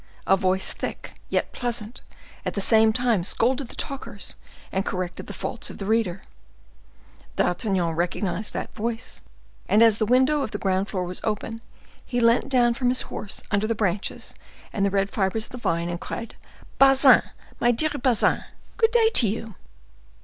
A voice thick, yet pleasant, at the same time scolded the talkers and corrected the faults of the reader. D'Artagnan recognized that voice, and as the window of the ground floor was open, he leant down from his horse under the branches and red fibers of the vine and cried, "Bazin, my dear Bazin! good day to you."